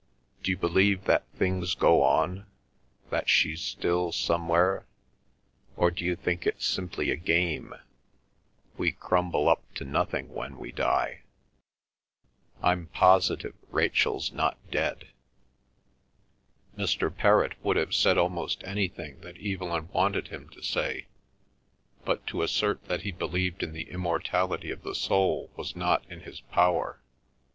"D'you believe that things go on, that she's still somewhere—or d'you think it's simply a game—we crumble up to nothing when we die? I'm positive Rachel's not dead." Mr. Perrott would have said almost anything that Evelyn wanted him to say, but to assert that he believed in the immortality of the soul was not in his power.